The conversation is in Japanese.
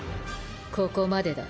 ここまでだ。